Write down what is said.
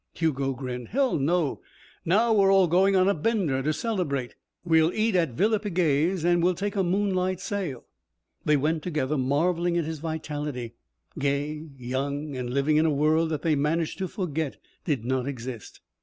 Hugo grinned. "Hell, no. Now we're all going on a bender to celebrate. We'll eat at Villapigue's and we'll take a moonlight sail." They went together, marvelling at his vitality, gay, young, and living in a world that they managed to forget did not exist.